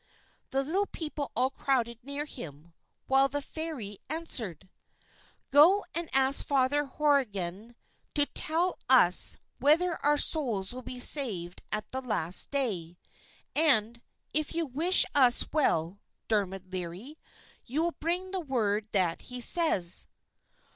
The Little People all crowded near him, while the Fairy answered: "Go and ask Father Horrigan to tell us whether our souls will be saved at the Last Day. And, if you wish us well, Dermod Leary, you will bring the word that he says."